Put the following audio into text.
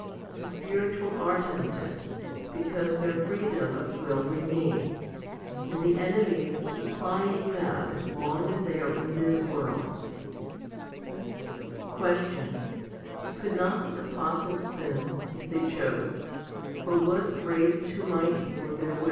the spiritual are tempted, because their freedom of will remains ; and the enemies keep plying them as long as they are in this world. 11. Question. Could not the apostles sin, if they chose? or was grace too mighty for their wills ? 1 Eph. iv. 30. 2 Gal. ii. II. 3 Acts xv. 39.